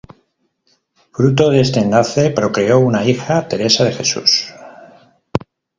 Fruto de este enlace, procreó una hija Teresa de Jesús.